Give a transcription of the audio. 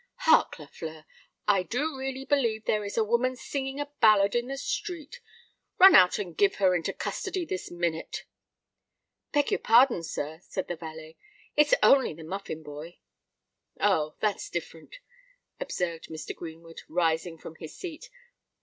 Hark! Lafleur, I do really believe there is a woman singing a ballad in the street! Run out and give her into custody this minute." "Beg your pardon, sir," said the valet: "it's only the muffin boy." "Oh! that's different," observed Mr. Greenwood, rising from his seat.